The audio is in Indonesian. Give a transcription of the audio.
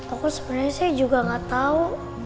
aku sebenernya juga gak tau